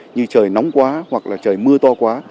như trời nóng quá hoặc là trời mưa to quá